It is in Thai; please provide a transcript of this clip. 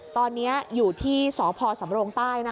ตอนนี้อยู่ที่สพสำรงค์ใต้นะคะ